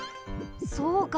そうか！